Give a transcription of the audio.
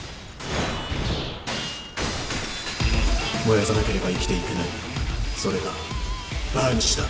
燃やさなければ生きていけないそれがバーニッシュだ。